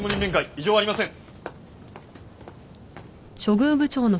異常ありません！